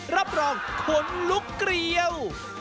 รับรองขนลุกเกลียว